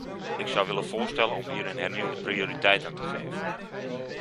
Ik zou willen voorstellen om hier een hernieuwde prioriteit aan te geven.